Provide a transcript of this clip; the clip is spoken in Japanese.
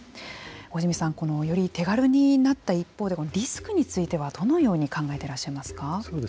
大慈弥さんより手軽になった一方でこのリスクについてはどのように考えていらっしゃいますか。